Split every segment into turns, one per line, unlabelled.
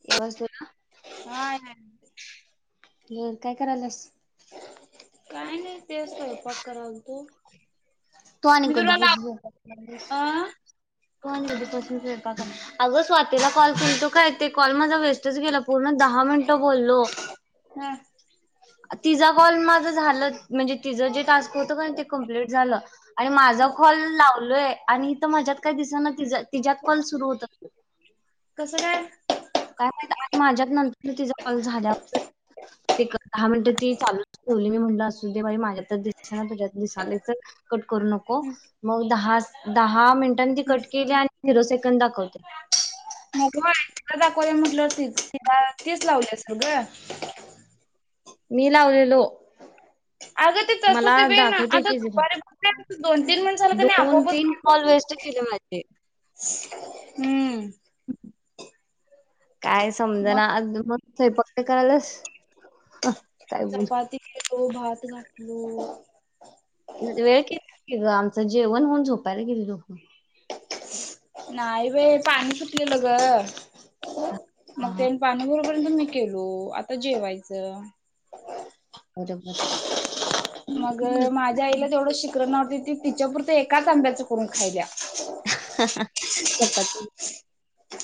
[unintelligible] ब काय करायलास?
काय नाही. त स्वैपाक करत होतो.
तु आणि कधीपसून,
अ
तु आणि कधी पसून अगं स्वातीला कॉल कर तो काय ते कॉल माझा वेस्टच गेला पूर्ण दहा मिनिट बोललो.
हा.
तिझा कॉल माझं झालं म्हणजे तिचं जे टास्क होतं ते कम्प्लीट झालं. आणि माझा कॉल लावलोय आणि इथ माझ्यात काही दिसना तिं तिच्यात कॉल सुरू होतात,
कसं काय?
काय माहीत आणि माझ्यात नंतर तिचा कॉल झाल्यावर एक दहा मिनिटं ती चालू ठेवली, मी म्हणलं असू दे. माझ्यातच दिसना तुझ्यात दिसायल तर कट करू नको मग दहा दहा मिनट कट केली आणि झीरो कंद दाखवत.
मग तिला दाखवली म्हटलं तिला तीच लावली असेल ग.
मी लावलेलो.
अग तेच अस हो
मला
ते बे ना
दाखवते
आता
की झिरो.
दुपारी बस दोन तीन म्हण झाला नाही
दोन
आपोआपच.
तीन कॉल वेस्ट केले माझे
हम्म..
काय समज
मग
ना आज दुपार स्वयंपाक का करालास. काय बोल
तो भात घातलो.
वेळ के ग आमचं जेवण होऊन झोपायला गेली दोघ.
नाही बे पाणी सुटलेलं ग.
हा
मग
हा,
त्या पाणीभरूपर्यंत मी गेलो आता जेवायच.
बरोबर.
मग माझ्या आईला तेवढं शिकरण नव्हती ती तिच्यापुरं एकाच आंब्याच करून खायल्या.
चपाती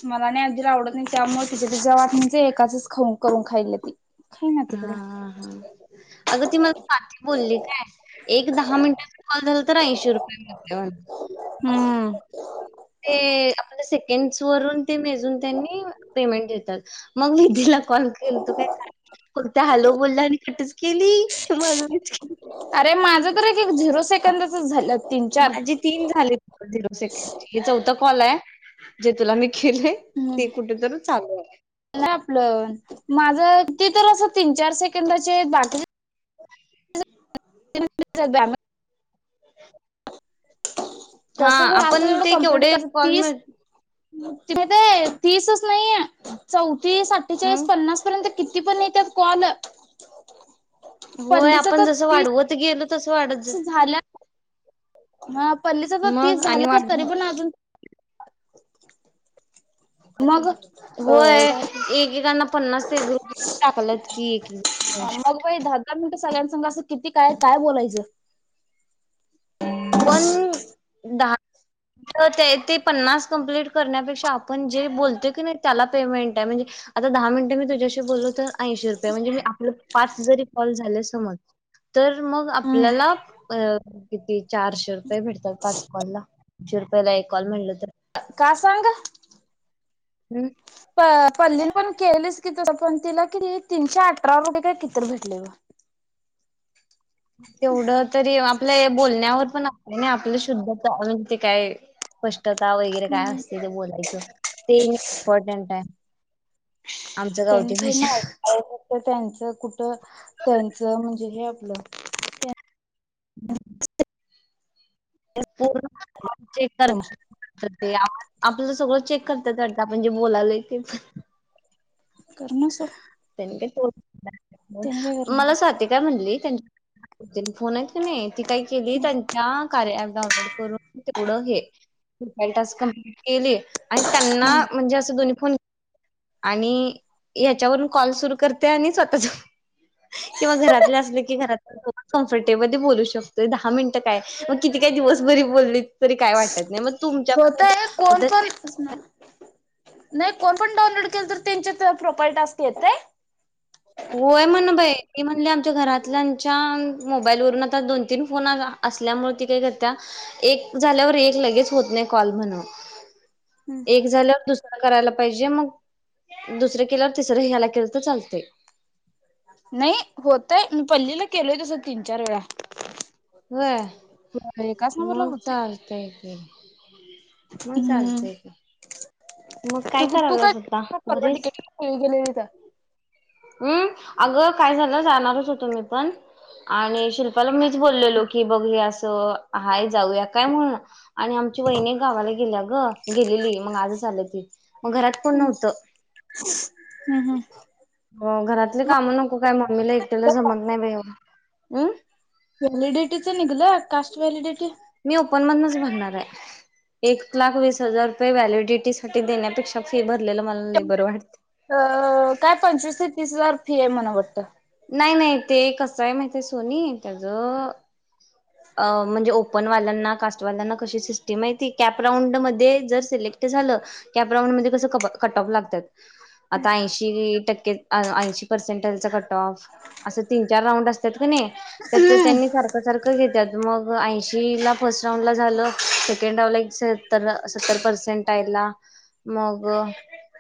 मला नाही आजीला आवडत नाही त्यामुळे तिच्या तिच्या वाटनीच एकाचच खाऊ करून खायली ती. खाई ना
हा
तिकडं
हा हा अग ती मला काकी बोललीत. एक दहा मिनिटाचा कॉल झाला तर ऐंशी रुपये मिळते
हम्म
ते आपल्या सेकंड वरुन ते मेजून त्यांनी पेमेंट देतात. मग म [unintelligible] धीला कॉल केल तो काय काय फक्त हॅलो बोलला आणि कटच केली माज मीज
झरो सेकदचच झालेत.
माझी तीन झाले [unintelligible] सेकड हे चौथ कॉले जे तुला मी केले.
हम्म
ते कुठे तरू चालूये.
नाही आपलं माझं ते तर असं तीन चार सेकंदाचेयत बाकीचे
[inaudible]
[unintelligible]
[inaudible] हा
कसरगुण असं
आपण ते केवढे कॉल मि
तिथे ते तीसच नाहीय चौथ तीस आठ्ठेचाळीस
हम्म
पन्नास पर्यंत किती पण येत्यात कॉल
होय आपण जस वाढवत गेलो. तसं वाढत जा
झाल्या हा पल्लीच तर तीस
मग आणि
झालं खर
वाढ
तरी पण अजून मग
होय
अ
एकेकांना पन्नास ते ग्रुप टाकलत कि एक स्क्रीन शॉट.
सगळ्यांसघ असं किती काय काय बोलायचं.
पण दहा ते ते पन्नास कंप्लीट करण्यापेक्षा आपण जे बोलतोय की नाही त्याला पेमेंटे म्हणजे आता दहा मिनिटे मी तुझ्याशी बोललो तर ऐशी रुपये म्हणजे मी आपलं पाच जरी कॉल झाले समज तर मग आपल्याला अ किती चारशे रुपये भेटतात पाच कॉलला दोनशे रुपयाला एक कॉल म्हटल तर
का सांग ग
हम्
प पल्लीने पण केलीच पनतिला कि नई तीनशे अठरा रुपये काय कि भेटले ग
तेवढं तरी आपल्या या बोलण्यावर पण आहे. नाही आपलं शुद्ध म्हणजे ते काय स्पष्ट त्या वगैरे काय
हम्म.
असते ते बोलायचं ते इम्पॉर्टंट आहे आमच
त्यांनी
गावठी
थोडं
भाषा
ना ऐकायला कुठं त्यांचं हॅलो
[inaudible] पूर्ण जे करते ते आपलं सगळं चेक करत्यात वाटत आपण जे बोलायलोय तेच
करण सो
घरी कोण मला
आहेत.
स्वाती काय म्हणली त्यां त्यांनी फोन आहे ती काय केली त्यांच्या कार्या डाउनलोड करून तेवढं हे, काही टास्क कम्प्लीट केले. आणि त्यांना म्हणजे असं दोन्ही फोन आणि याच्यावरून कॉल सुरू करते आणि स्वतःच किंवा घरातले असले की घरात कम्फर्टेबली बोलू शकतोय दहा मिनिटं काय मग किती काय दिवस बरी बोलली तरी काय वाटत नाही मग तुमच्या
होतय कोण पण नाही कोण पण डाऊनलोड केलं तर त्यांच्यात प्रोपाईल टास्क येतये
होय म्हण बाई म्हणले आमच्या घरातल्याच्या मोबाईलवरून आता दोन तीन फोन असल्यामुळे ती काही कर्या एक झाल्यावर एक लगेच होत नाही कॉल म्हण एक झाल्यावर दुसर करायला पाहिजे मग दुसरं केल्यावर तिसरं ह्याला केलं तर चालतंय
नाही होतय मी पल्लीला केलोय तसं तीन चार वेळा
व्हय
एकाच नंबरला
मग
होतय.
चालतंय की मग चालतय की मग
तु तू काय
करायलास आता
परव
घरीच
टिकेली गेलेलीथ
हम्म अगं काय झालं जाणारच होतो मी पण आणि शिल्पाला मिच बोललेलो की बघ हे अस तो हाय जाऊया काय म्हण आणि आमची वहिणी गावाला गेल्या ग, गेलेली मग आजच आल ती मग घरात कोण नव्हत
हम् हम
घरातली कामं नको काय मम्मीला एकटेला जमत नाही बाई अमं
व्हॅलिडिटीच निघलं कास्ट व्हॅलिडिटी
मी ओपन मधच भरणार आहे एक लाख वीस हजार रुपये व्हलिडिटी साठी देण्यापेक्षा फी भ
अ काय पंचवीस ते तीस हजार फी आहे मला वाटतं
नाही नाही ते कसं आहे माहिती आहे सोनी तेज अ म्हणजे ओपनवाल्यांना कास्टवाल्यांना क सिस्टीम मा कॅपरांड मध्ये जर सिलेक्ट झालं कॅपराऊंड म कस क कटऑफ लागतात आता ऐंशी टक्के ऐंशी पर्सेंट चा असं तीन-चार राऊंड असतात कणी त्याचं त्यांनी सारखं सारखं घेतात हला फर्स्ट राऊंड ला झालं सकंड ला सर सत्तर पर्सेंट आहेला मग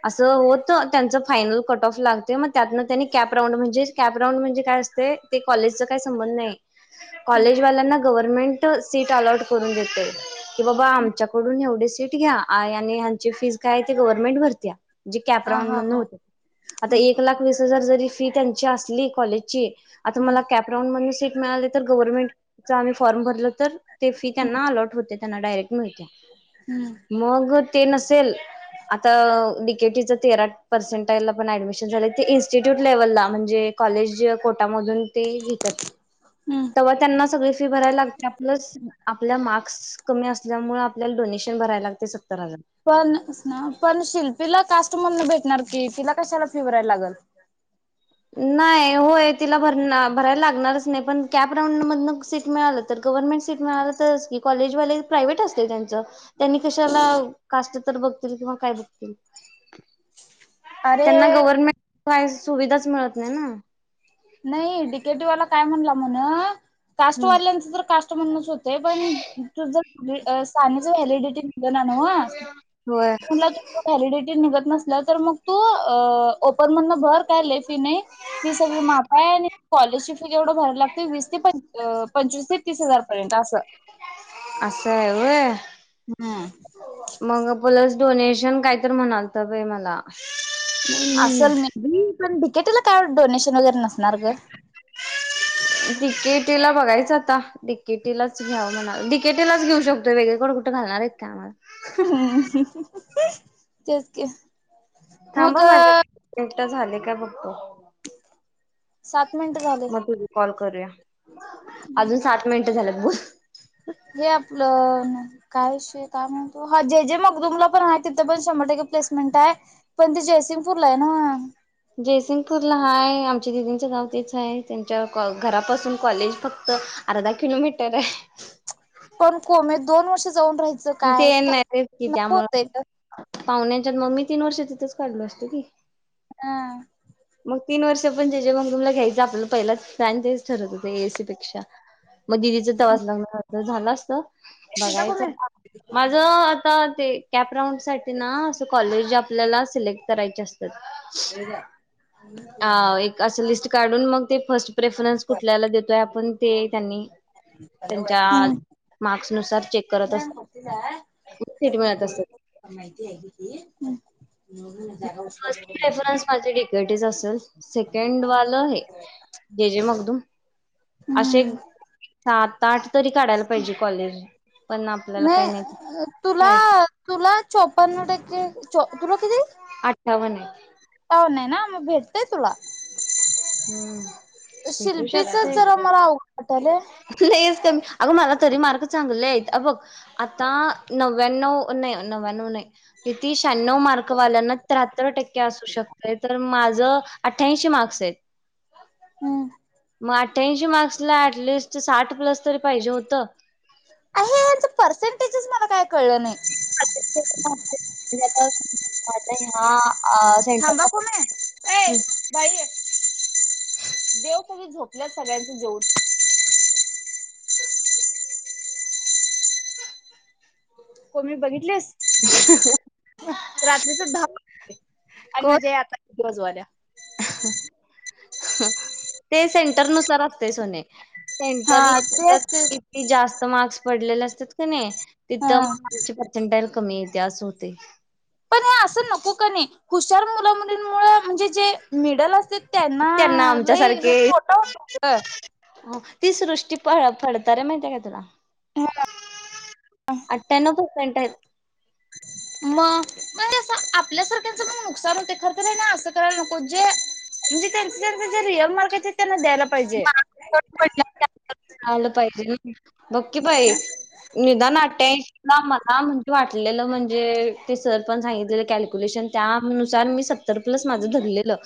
अस होत त्यांच फायनल कट ऑफ लागते म त्यातन त्यांनी कॅप राऊंड म्हणजे कॅप राऊंड म्हणजे काय असते कॉलेजचा काय संबंध नाही कॉलेज वाल्यांना गव्हर्मेंट सीट अलॉट करून देते आमच्याकडून एवढे सीट घ्या आणि यांची फी काय गव्हर्नमेंट भरते कप आ एक व फी त्या. त्यांची असली कॉलेजची आता मला कॅप राऊंड मधन सीट मिळाली तर गव्हर्नमेंटच आम्ही फॉर्म भरलं तर, ती फी त्यांना अलॉट होते. त्यां डायरेक्ट.
हम्म
मग ते नसेल आता डिक. डि. के. टिच. तेरा पर्सेंटला पण ऍडमिशन झालय ते इ्स्टिट्यू लेव्हलला. म्हणजे. कॉलेज कोटामधून ते घेत्यात.
हम्म
तेव्हा त्यांना सगळी फी भरायला लागते, प्लस आपल् मार्क्स कमी अस. आल्यामुळे आपल्याला डोनेशन भराय लागते स.
पण पण शिल्पीला टास्क. म्हणल भेटणार की तिला कशाला फी भरायला लागल.
नाही होय तिला भर भरायला लागणारच नाही, पण कॅप रांऊ ड मधन सीट मिळालं तर गव्हर्नमेंट सीट मिळालं तरच की कॉलेजवाले प्रायव्हेट असतय त्यांच. त्यांनी कशाला काष्ठ. तर बघतील, किंवा काय बघतील.
अरे
त्यांना गव्हर्नमेंट सुविधा मिळत नाही ना.
नाही डीकेटीवाला काय म्हणाला म्हण
हम्म
कास्टवाल्यांच तर कास्टमधनच होतय, पण तू जर सानीच व्हॅलिडिटी निघना नव्हं,
होय
[unintelligible] व्हॅलिडिटी निघल नसल्यावर मग तु अ ओपनमधन भर काय लई फी नाहीं, फी सगळी माफ काय आणि कॉलेजची फी जेवढं भरायला लागत, वीस ते पंच पंचवीस ते तीस हजार पर्यंत असं.
अस हाय होय?
हम्म.
मग प्लस डोनेशन काय तर म्हणालता बाई मला.
असल [unintelligible] पण डीकेटीला काय डोनेशन वगैरे नस
डीके टीला बघायचं आता, डीकेटीलाच घ्याव म्हणालोय. डिकेटी लाच घेऊ शकतोय वेगळीकडं कुठं घालणार आहेत का आम्हाला.
हम्म. तेच की.
थांब
मग
हं माझ्या झालंय काय बघतो.
सात मिनिट झाले.
मग तुझं कॉल करूया अजून सात मिनट झाल्यात. ह [unintelligible]
हे आपलं काय विषय काय म्हणतो, हा जे जे मगदुमला पण हाय, पण तिथं पण शंभर टक्के प्लेसमेंट हाय. पण ते जयसिंगपूरला आहे नव्हं.
जयसिंगपूरला हाय, आमच्या दिदींचं गाव तेच आहे. त्यांच्या घरापासून कॉलेज फक्त अर्धा किलोमीटर हाय.
पण कोमे दोन वर्ष जाऊन राहायचं
ते
काय काय
नाही कि
नको
त्यामुळ
होतय ग
पाहुणे- त्यात मग मी तीन वर्ष तिथंच काढलो असतो की-
हा.
मग तीन वर्ष पण त्या जे मग तुमला घ्यायचं आपलं, पहिला फॅन तेच ठरत होते एसी पेक्षा. मग दिदीचा तवाच लग्न झालं. तर झालं असतं.
एक मिनिट
बघायचं.
कोमे
माझ, आता ते कॅप राऊंड साठी ना, अस कॉलेज आपल्याला सिलेक्ट करायचे असते. अ एक असं लिस्ट काढून मग ते फर्स्ट प्रेफरन्स कुठल्याला देतोय आपण ते त्यांनी त्यांच्या
हम्म
मार्क्स नुसार चेक करत असतात
तुला
सीट
खरी
मिळत
बोल
असते.
माहिती आहे कीती [unintelligible] हम्म.
फस्ट प्रेफरन्स माझ्या तिकटीच असेल सेकंड वालं हे जे जे मधून [unintelligible] अशे
हम्म
सात, आठ- तरी काढायला पाहिजे कॉलेज पण आपल्याला काही
नाही तुला तुला चौपन्न टक्के चौ तुला किती?
सर्वांनी
त नाही ना मग भेटतंय तुला-
हम्म भेटू
शिल्पीच जरा मला वाटालय. [unintelligible]
पलेस अगं मला तरी मार्क चांगले आहेत, अ बघ आता नव्याण्णव नाही, नव्याण्व नाही, रतीश त्राण्यवं मार्कवाल्यांना त्र्यंत्तर टक्के असू शकतय तर मा जर आठ्ठयाऐंशी मार्क्स आहेत.
हम्म.
मग अठ्ठ्यांऐशी मार्क्सला ऍटलिस्ट साठ प्लस तरी पाहिजे होतं.
आहे, हच पर्सेंटेजच मला काय कळलं नाही.
[inaudible] आता ह्या-
थांबा कुमे ए भई देव कधीच झोपलंत सगळ्यांचं जेऊन. हो मी बघितलेस रात्रीच [unintelligible] आणि
कोण
म्हणजे आता दिवसभर दया.
ते सेंटरनुसार असते सोने. सेंटर
हा तेच तेच
किती जास्त तर मार्क्स पडलेले असतात क नाही तिथ
हा
मग आमचे [unintelligible] कमी ते असं होतंय.
पण हे असं नको कनई? हुशार मुल मुलींमुळे म्हणजे जे मिडल असते त्यांना लय हा तोटा होतंय गं.
हो ती सृष्टी पळ फडतरे माहिती माहितीये का तुला?
हा.
आठ्यानावं पर्सेंट आहेत.
मग हे असं आपल्यासारखच नुकसान होतंय खर त्यांनी असं करायला नको. जे म्हणजेे त्यांचं त्यांचं जे रियल मार्क हायत ते त्यांना द्यायला पाहिजे
[unintelligible] आलं पाहिजेल. [unintelligible] बघ की बाई निदान अठ्ठयाऐंशी ना मला म्हणजे वाटलेलं म्हणजे ते सर पण सांगितले कॅल्क्युलेशन त्यानुसार मी सगळे तर प्लस माझं धरलेलं,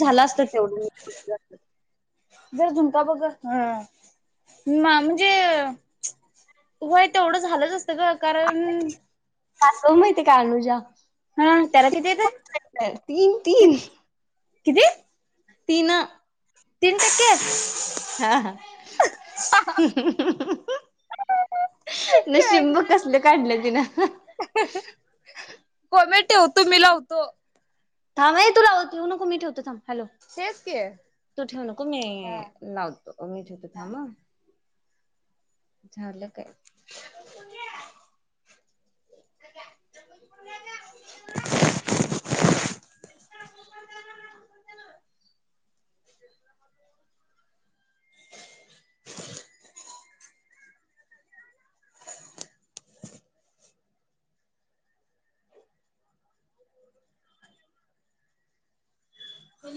झालं असतं तेवढं
जर जरा झुणका बघ ग, मांज, जर तुम बघ म्हणजे होय तेवढ झालंच असत. का कारण
कानू जा
हा त्याला किती येत
तीन- तीन
कितीे?
तीन
तीन टक्के
हा- हा
काय
नशीब कसले काढले. ह ना.
कोमे. होतो मी लावतो.
थांब आहे तू लावतयेऊ नको कु मी ठेवते थांब. हॅलो
तेच की हा.
तू ठेव नको मी लावतो मी ठेवतो थांब अ. झालं काय? अ
हो.